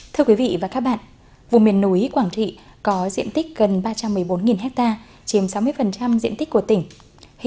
thưa quý vị và các bạn vùng miền núi quảng trị có diện tích gần ba trăm một mươi bốn ha chiếm sáu mươi diện tích của tỉnh